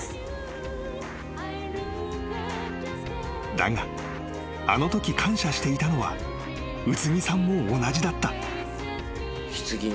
［だがあのとき感謝していたのは卯都木さんも同じだった］